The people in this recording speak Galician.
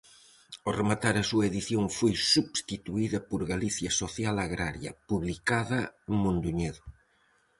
Ao rematar a súa edición foi substituída por Galicia Social Agraria, publicada en Mondoñedo.